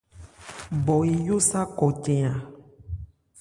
Bɔ eyó sâ kɔcn a.